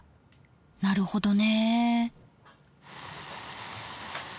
なるほどね。